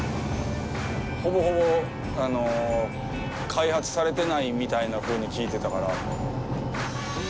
ほぼほぼ開発されてないみたいなふうに聞いてたから。